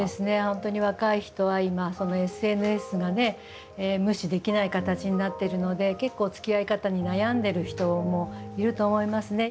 本当に若い人は今ＳＮＳが無視できない形になっているので結構つきあい方に悩んでる人もいると思いますね。